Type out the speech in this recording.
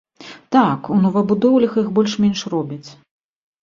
Так, у новабудоўлях іх больш-менш робяць.